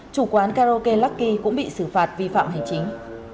chủ quán karaoke lucky cũng bị xử phạt vi phạm hành chính